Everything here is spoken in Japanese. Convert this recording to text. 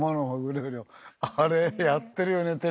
あれやってるよね